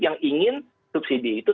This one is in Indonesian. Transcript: yang ingin subsidi itu